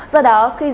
do đó khi tháng sáu